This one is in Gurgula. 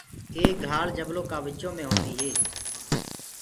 ايڪ گھآݪ جبلو ڪآ وچو مينٚ هوندي هي۔